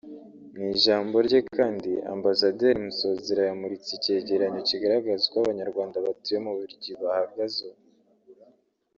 Mu ijambo rye kandi Ambasaderi Masozera yamuritse icyegeranyo kigaragaza uko Abanyarwanda batuye mu Bubiligi bahagaze ubu